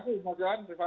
terima kasih mas johan